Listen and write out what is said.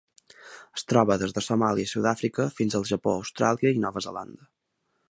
Es troba des de Somàlia i Sud-àfrica fins al Japó, Austràlia i Nova Zelanda.